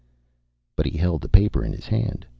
But he held the paper in his hand.